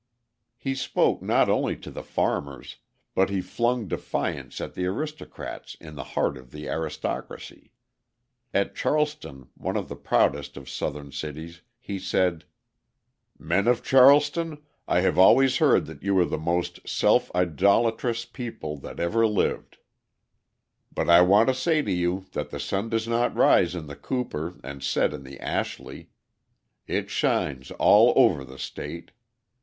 He spoke not only to the farmers, but he flung defiance at the aristocrats in the heart of the aristocracy. At Charleston, one of the proudest of Southern cities, he said: "Men of Charleston, I have always heard that you were the most self idolatrous people that ever lived; but I want to say to you that the sun does not rise in the Cooper and set in the Ashley. It shines all over the state....